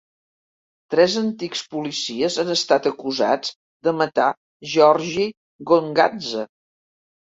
Tres antics policies han estat acusats de matar Georgiy Gongadze.